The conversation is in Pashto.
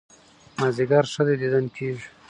مازيګر ښه دى ديدن کېږي